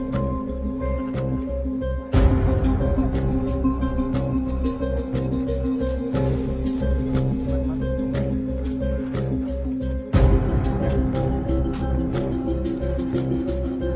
ใช่ครับประมาณนั้นครับ